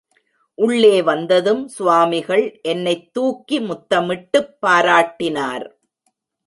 உள்ளே வந்ததும் சுவாமிகள் என்னைத் தூக்கி முத்தமிட்டுப் பாராட்டினார்.